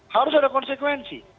harus ada konsekuensi